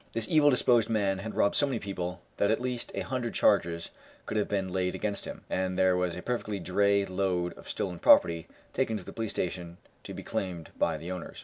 This evil disposed man had robbed so many people that at least a hundred charges could have been laid against him, and there was a perfect dray load of stolen property taken to the police station to be claimed by the owners.